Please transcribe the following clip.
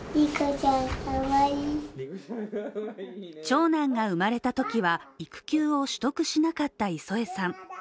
長男が産まれたときは育休を取得しなかった磯江さん。